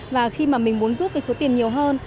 và khi mà mình muốn rút cái số tiền nhiều hơn